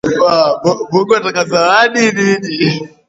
Benki kuu ya Uganda inatafakari kutoa sarafu ya kidigitali na